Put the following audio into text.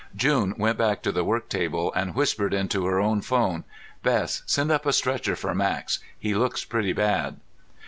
June went back to the work table and whispered into her own phone. "Bess, send up a stretcher for Max. He looks pretty bad."